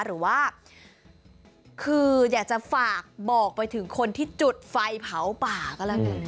หรือว่าคืออยากจะฝากบอกไปถึงคนที่จุดไฟเผาป่าก็แล้วกัน